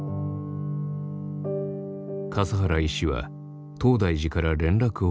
笠原医師は東大寺から連絡を受けた。